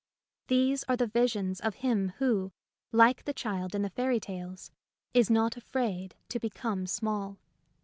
These are the visions of him who, like the child in the fairy tales, is not afraid to become small.